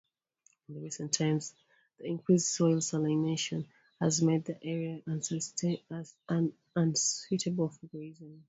In recent times, the increased soil salination has made the area unsuitable for grazing.